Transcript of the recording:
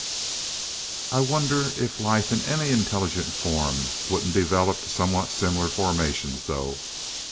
"I wonder if life in any intelligent form wouldn't develop somewhat similar formations, though.